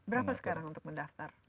berapa sekarang untuk mendaftar